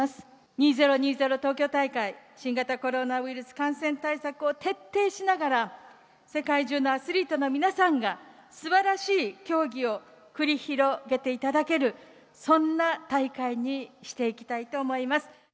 ２０２０東京大会、新型コロナウイルス感染対策を徹底しながら、世界中のアスリートの皆さんがすばらしい競技を繰り広げていただける、そんな大会にしていきたいと思います。